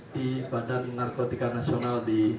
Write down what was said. di badan narkotika nasional di